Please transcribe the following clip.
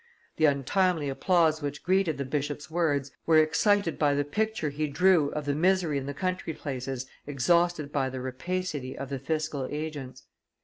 The untimely applause which greeted the bishop's words were excited by the picture he drew of the misery in the country places exhausted by the rapacity of the fiscal agents.